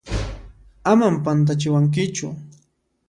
Aman pantachiwankichu!